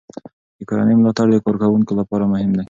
د کورنۍ ملاتړ د کارکوونکو لپاره مهم دی.